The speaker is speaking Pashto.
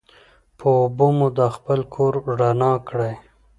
په اوبو مو دا خپل کور رڼا رڼا کړي